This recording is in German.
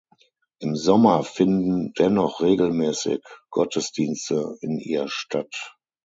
Im Sommer finden dennoch regelmäßig Gottesdienste in ihr statt.